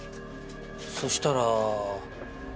そしたら。